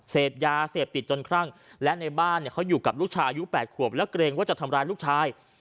เสพยาเสพติดจนครั่งและในบ้านเนี่ยเขาอยู่กับลูกชายอายุ๘ขวบแล้วเกรงว่าจะทำร้ายลูกชาย